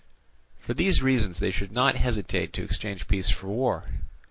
For these reasons they should not hesitate to exchange peace for war.